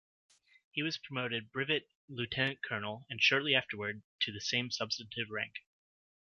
He was promoted brevet lieutenant-colonel and shortly afterwards to the same substantive rank.